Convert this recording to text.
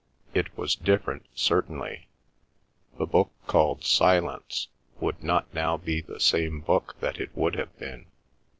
It was different certainly. The book called Silence would not now be the same book that it would have been.